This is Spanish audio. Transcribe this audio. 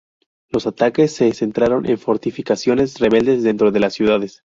Los ataques se centraron en fortificaciones rebeldes dentro de las ciudades.